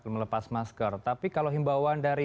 melepas masker tapi kalau himbauan dari